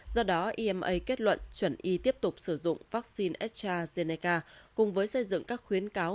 do đó ima kết luận chuẩn y tiếp tục sử dụng vaccine estrazeneca cùng với xây dựng các khuyến cáo